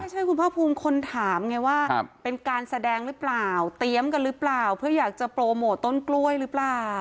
ใช่คุณภาคภูมิคนถามไงว่าเป็นการแสดงหรือเปล่าเตรียมกันหรือเปล่าเพื่ออยากจะโปรโมทต้นกล้วยหรือเปล่า